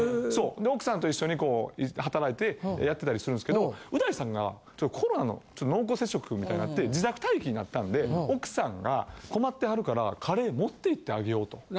奥さんと一緒にこう働いてやってたりするんすけどう大さんがコロナの濃厚接触みたいになって自宅待機になったんで奥さんが困ってはるからカレー持って行ってあげようと。